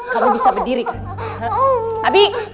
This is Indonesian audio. kamu bisa berdiri kan